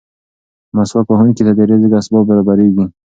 مسواک وهونکي ته د رزق اسباب برابرېږي.